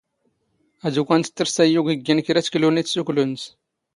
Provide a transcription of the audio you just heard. ⴰⴷ ⵓⴽⴰⵏ ⵜⴻⵜⵜⵔⵙ ⵜⴰⵢⵢⵓ ⴳ ⵉⴳⴳⵉ ⵏ ⴽⵔⴰ ⵜⴽⵍⵓ ⵏⵉⵜ ⵙ ⵓⴽⵍⵓ ⵏⵏⵙ.